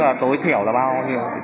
tức là tối thiểu là một mươi một năm triệu